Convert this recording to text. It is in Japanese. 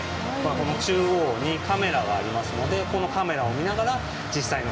この中央にカメラがありますのでこのカメラを見ながら実際の深海底を見て